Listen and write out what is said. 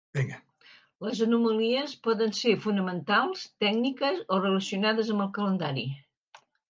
Les anomalies poden ser fonamentals, tècniques o relacionades amb el calendari.